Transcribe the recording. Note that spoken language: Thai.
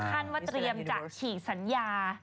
ถึงขั้นว่าเตรียมจัดฉี่สัญญา